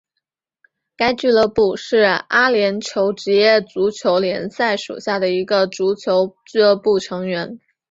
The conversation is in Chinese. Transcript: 该俱乐部是阿联酋职业足球联赛属下的一个足球俱乐部成员。